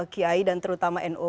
kiai dan terutama no